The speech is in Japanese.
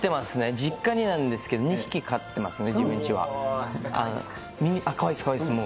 実家になんですけど、２匹飼ってますね、自分ちは。